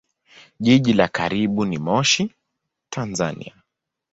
Jiji la karibu ni Moshi, Tanzania.